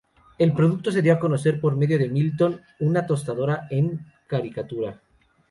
El producto se dio a conocer por medio de Milton, una tostadora en caricatura.